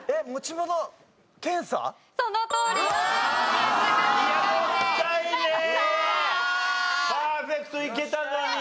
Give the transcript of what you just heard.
パーフェクトいけたのに。